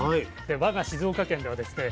我が静岡県ではですね